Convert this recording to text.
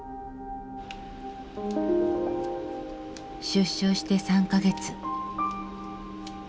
出所して３か月。